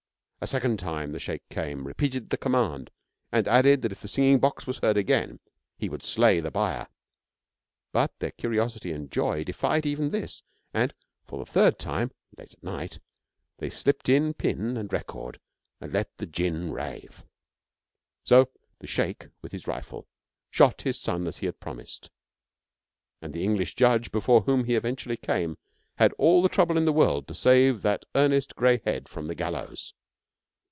A second time the sheik came, repeated the command, and added that if the singing box was heard again, he would slay the buyer. But their curiosity and joy defied even this, and for the third time (late at night) they slipped in pin and record and let the djinn rave. So the sheik, with his rifle, shot his son as he had promised, and the English judge before whom he eventually came had all the trouble in the world to save that earnest gray head from the gallows.